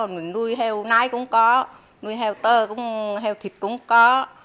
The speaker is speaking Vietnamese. mình nuôi heo nái cũng có nuôi heo tơ cũng heo thịt cũng có